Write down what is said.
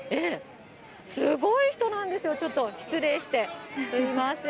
すごい人なんですよ、ちょっと失礼して、すみません。